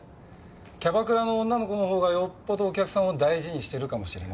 キャバクラの女の子の方がよっぽどお客さんを大事にしてるかもしれません。